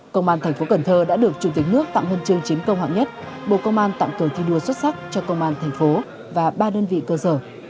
công an tp cn đã được chủ tịch nước tặng hơn chương chín câu hạng nhất bộ công an tặng cường thi đua xuất sắc cho công an tp cn và ba đơn vị cơ sở